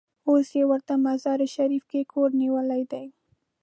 اوس یې ورته مزار شریف کې کور نیولی دی.